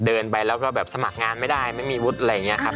เดินไปแล้วก็แบบสมัครงานไม่ได้ไม่มีวุฒิอะไรอย่างนี้ครับ